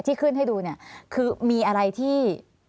ที่ขึ้นให้ดูเนี่ยคือมีอะไรที่